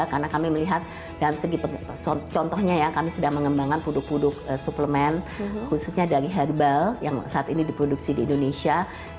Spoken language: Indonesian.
karena kami melihat dalam segi contohnya ya kami sedang mengembangkan puduk puduk suplemen khususnya dari herbal yang saat ini diproduksi di indonesia